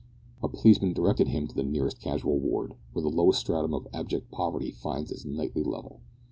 A policeman directed him to the nearest casual ward, where the lowest stratum of abject poverty finds its nightly level.